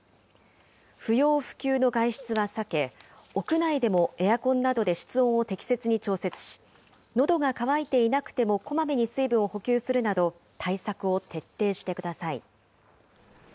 不要不急の外出は避け、屋内でもエアコンなどで室温を適切に調節し、のどが渇いていなくてもこまめに水分を補給するなど、対策を徹底してください。